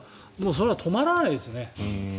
それは止まらないですね。